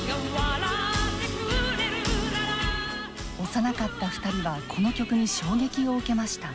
幼かった２人はこの曲に衝撃を受けました。